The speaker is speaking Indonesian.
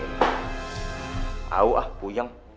tahu ah puyeng